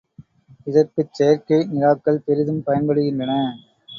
இதற்குச் செயற்கை நிலாக்கள் பெரிதும் பயன்படுகின்றன.